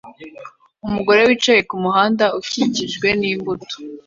Umugore yicaye kumuhanda ukikijwe n'imbuto